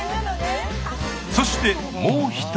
そしてもう一人。